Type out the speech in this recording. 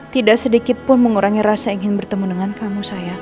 tidak sedikitpun mengurangi rasa ingin bertemu dengan kamu sayang